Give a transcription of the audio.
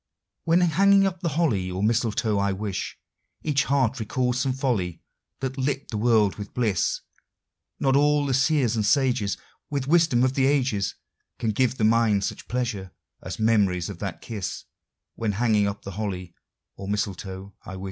When hanging up the holly or mistletoe, I wis Each heart recalls some folly that lit the world with bliss. Not all the seers and sages With wisdom of the ages Can give the mind such pleasure as memories of that kiss When hanging up the holly or mistletoe, I wis.